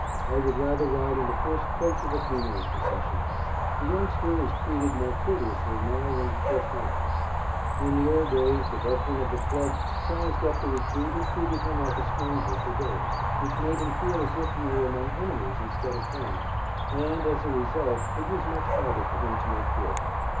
I would rather ride in the first coach of a funeral procession. The youngster is treated more courteously now when he first arrives. In the old days, the veterans of the club sized up the recruit and treated him like a stranger for days, which made him feel as if he were among enemies instead of friends, and, as a result, it was much harder for him to make good.